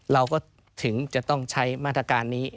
เราก็ถึงจะต้องใช้มาตรการนี้